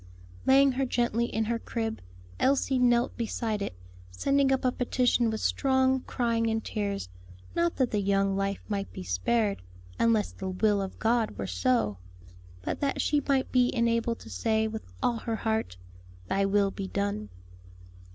Laying her gently in her crib, Elsie knelt beside it, sending up a petition with strong crying and tears; not that the young life might be spared, unless the will of God were so, but that she might be enabled to say, with all her heart, "Thy will be done."